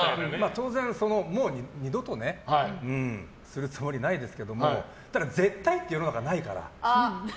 当然、もう二度とするつもりはないですけどもただ、絶対っていうのがないから。